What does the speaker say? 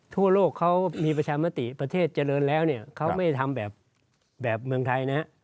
ทั่วโลกเขามีประชามติประเทศเจริญแล้วเนี่ยเขาไม่ได้ทำแบบเมืองไทยนะฮะ